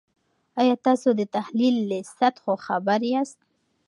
آیا تاسو د تحلیل له سطحو خبر یاست؟